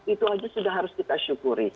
itu saja sudah harus kita syukuri